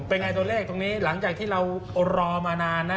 เป็นไงตัวเลขตรงนี้หลังจากที่เรารอมานานนะ